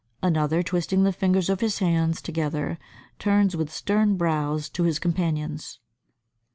Another, twisting the fingers of his hands together, turns with stern brows to his companions.